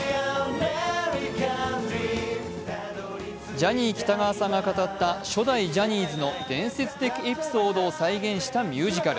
ジャニー喜多川さんが語った初代ジャニーズの伝説的エピソードを再現したミュージカル。